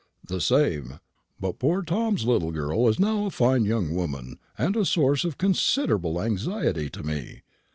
"The same. But poor Tom's little girl is now a fine young woman, and a source of considerable anxiety to me.